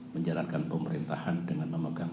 menjalankan pemerintahan dengan memegang